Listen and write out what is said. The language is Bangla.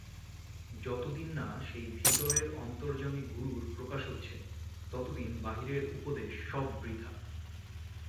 যতদিন না সেই ভিতরের অন্তর্যামী গুরুর প্রকাশ হচ্ছে, ততদিন বাহিরের উপদেশ সব বৃথা।